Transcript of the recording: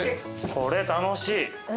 これ楽しい。